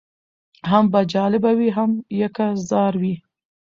هم به جاله وي هم یکه زار وي